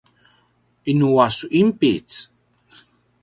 inu a su inpic?